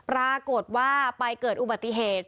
ปรากฏว่าไปเกิดอุบัติเหตุ